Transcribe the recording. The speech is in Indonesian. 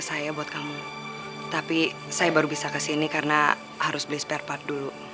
saya buat kamu tapi saya baru bisa ke sini karena harus beli saya tempat dulu